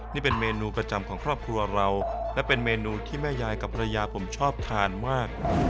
นี่เป็นเมนูประจำของครอบครัวเราและเป็นเมนูที่แม่ยายกับภรรยาผมชอบทานมาก